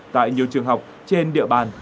tại nhiều trường học trên địa bàn